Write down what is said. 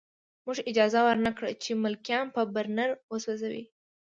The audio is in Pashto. موږ اجازه ورنه کړه چې ملکیان په برنر وسوځوي